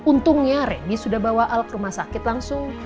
untungnya randy sudah bawa el ke rumah sakit langsung